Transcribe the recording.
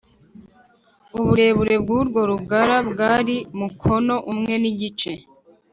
uburebure bw’urwo rugara bwari mukono umwe n’igice